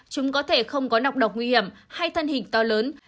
chúng có thể không có nọc độc nguy hiểm hay thân hình to lớn